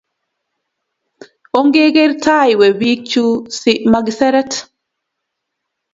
Ongeker taa wei pik chu si makiseret